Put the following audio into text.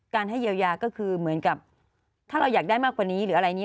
ให้เยียวยาก็คือเหมือนกับถ้าเราอยากได้มากกว่านี้หรืออะไรอย่างนี้